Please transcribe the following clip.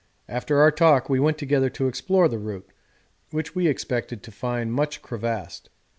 After our talk we went together to explore the route, which we expected to find much crevassed.